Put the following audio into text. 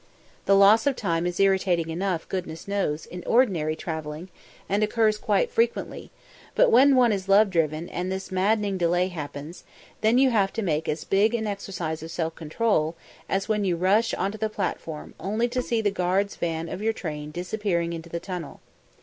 The loss of time is irritating enough, goodness knows, in ordinary travelling and occurs quite frequently, but when one is love driven and this maddening delay happens, then you have to make as big an exercise of self control as when you rush onto the platform only to see the guard's van of your train disappearing into the tunnel.